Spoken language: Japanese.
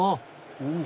うん！